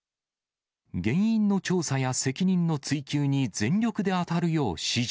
原因の調査や責任の追及に全力で当たるよう指示。